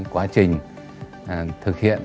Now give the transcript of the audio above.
quá trình thực hiện